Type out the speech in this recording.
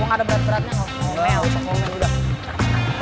gue gak ada berat beratnya gap